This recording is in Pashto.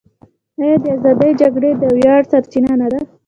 آیا د ازادۍ جګړې د ویاړ سرچینه نه ده؟